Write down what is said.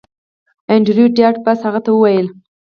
انډریو ډاټ باس هغې ته وویل